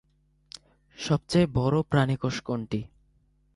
সবচেয়ে বড় প্রাণিকোষ কোনটি?